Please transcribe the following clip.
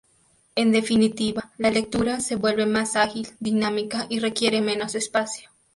En definitiva, la lectura se vuelve más ágil, dinámica y requiere menos espacio.